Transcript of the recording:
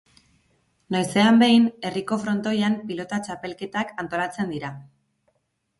Noizean behin, herriko frontoian pilota txapelketak antolatzen dira.